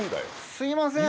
すいません。